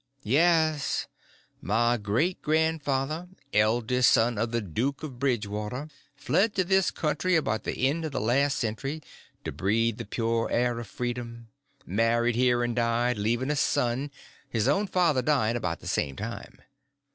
"Yes. My great grandfather, eldest son of the Duke of Bridgewater, fled to this country about the end of the last century, to breathe the pure air of freedom; married here, and died, leaving a son, his own father dying about the same time.